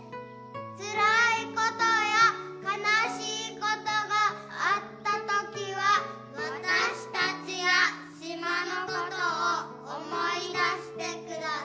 つらいことや悲しいことがあったときはわたしたちや島のことを思い出してください。